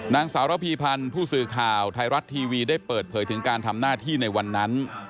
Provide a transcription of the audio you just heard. นางสาวระพีพันธ์ผู้สื่อข่าวไทยรัฐทีวีได้เปิดเผยถึงการทำหน้าที่ในวันนั้น